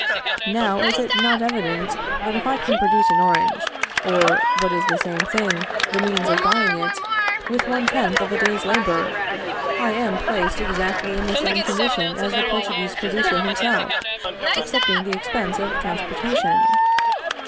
Now is it not evident, that if I can produce an orange, or, what is the same thing, the means of buying it, with one tenth of a day's labor, I am placed exactly in the same condition as the Portuguese producer himself, excepting the expense of the transportation?